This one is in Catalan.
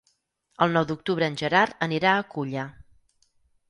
El nou d'octubre en Gerard anirà a Culla.